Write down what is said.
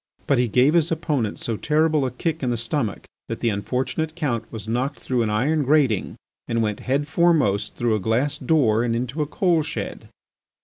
But he gave his opponent so terrible a kick in the stomach that the unfortunate Count was knocked through an iron grating and went, head foremost, through a glass door and into a coal shed.